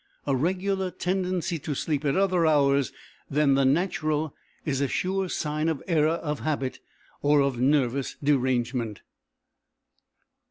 A regular tendency to sleep at other hours than the natural is a sure sign of error of habit or of nervous derangement.